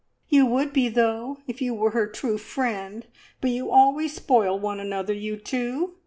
"You would be, though, if you were her true friend, but you always spoil one another, you two!"